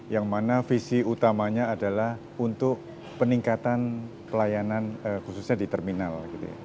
yang mana visi utamanya adalah untuk peningkatan pelayanan khususnya di terminal